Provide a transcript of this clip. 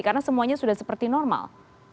karena semuanya sudah seperti normal